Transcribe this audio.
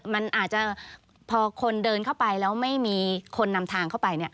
มันอาจจะพอคนเดินเข้าไปแล้วไม่มีคนนำทางเข้าไป